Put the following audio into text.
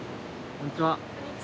こんにちは。